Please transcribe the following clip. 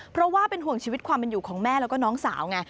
เพราะว่าเป็นห่วงชีวิตความเป็นอยู่ของแม่แล้วก็น้องสาวไง